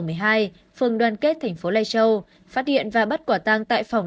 phường đoàn kết tp lai châu phát hiện và bắt quả tăng tại phòng năm trăm linh một